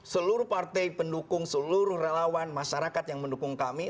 seluruh partai pendukung seluruh relawan masyarakat yang mendukung kami